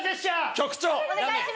局長！